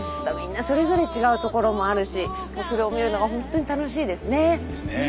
みんなそれぞれ違うところもあるしそれを見るのが本当に楽しいですね。